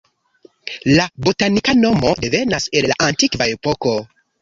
La botanika nomo devenas el la antikva epoko.